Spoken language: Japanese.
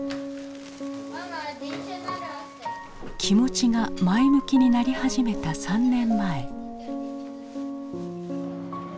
気持ちが前向きになり始めた３年前。